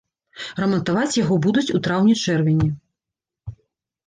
Рамантаваць яго будуць у траўні-чэрвені.